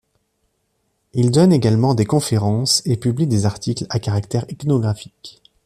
Il donne également des conférences et publie des articles à caractère ethnographique.